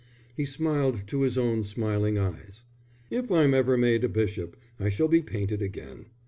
He smiled to his own smiling eyes. "If I'm ever made a bishop I shall be painted again.